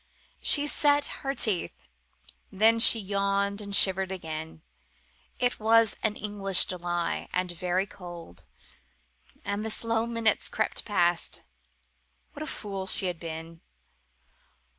She set her teeth. Then she yawned and shivered again. It was an English July, and very cold. And the slow minutes crept past. What a fool she had been!